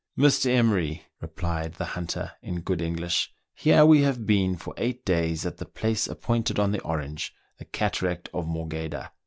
"Mr. Emery," replied the hunter in good English, " here we have been for eight days at the place appointed on the Orange, the cataract of Morgheda.